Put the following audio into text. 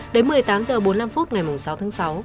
đến một mươi tám h bốn mươi năm phút ngày sáu tháng sáu